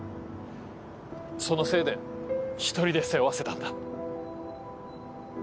そのせいで１人で背負わせたんだ。